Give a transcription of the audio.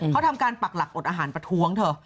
เขาทำการปักหลักอดอาหารประท้วงเธอ